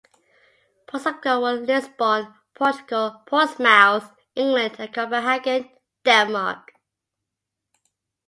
Ports of call were Lisbon, Portugal, Portsmouth, England and Copenhagen, Denmark.